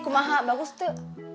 kuma ha bagus tuh